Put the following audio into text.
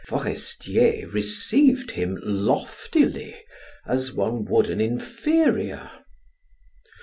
Forestier received him loftily as one would an inferior.